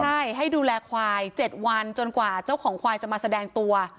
ใช่ให้ดูแลควาย๗วันจนกว่าเจ้าของควายจะมาแสดงตัว